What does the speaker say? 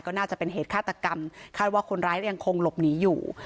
ก็น่าจะเป็นเหตุฆาตกรรมคาดว่าคนร้ายยังคงหลบหนีอยู่